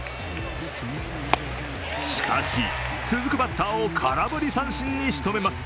しかし、続くバッターを空振り三振にしとめます。